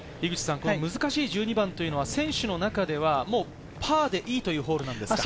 難しい１２番というのは選手を中ではパーでいいというホールなんですか？